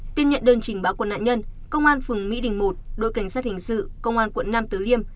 tiêm nhận đơn trình báo của nạn nhân công an phường mỹ đình một đội cảnh sát hình sự công an quận năm tứ liêm